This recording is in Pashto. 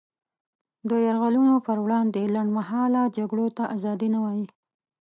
د یرغلونو پر وړاندې لنډمهاله جګړو ته ازادي نه وايي.